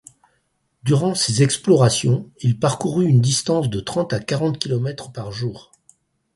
Durant ses explorations, il parcourut une distance de trente à quarante kilomètres par jour.